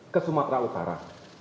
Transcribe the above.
ke sumatera utara